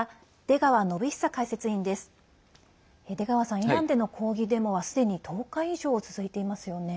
出川さん、イランでの抗議デモはすでに１０日以上続いていますよね。